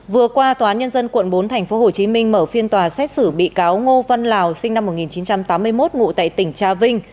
vừa qua tòa án nhân dân quận bốn tp hcm mở phiên tòa xét xử bị cáo ngô văn lào sinh năm một nghìn chín trăm tám mươi một ngụ tại tỉnh trà vinh